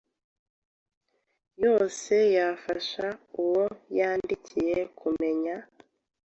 yose yafasha uwo yandikiye kumenya